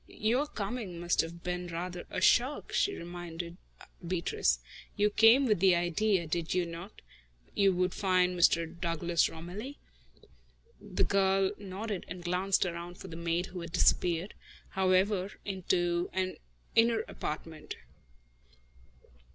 "Your coming must have been rather a shock," she reminded Beatrice. "You came with the idea, did you not, that you would find Mr. Douglas Romilly?" The girl nodded and glanced around for the maid, who had disappeared, however, into an inner apartment.